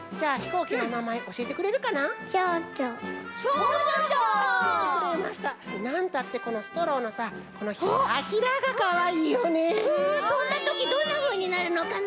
うんうんとんだときどんなふうになるのかな？